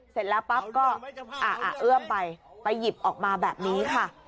เสร็จแล้วปั๊บก็เอื้อมไปไปหยิบออกมาแบบนี้ค่ะ